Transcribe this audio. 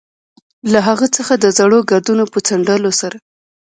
له هغه څخه د زړو ګردونو په څنډلو سره.